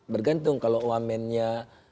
bergantung kalau wamennya